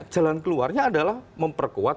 jalan keluarnya adalah memperkuat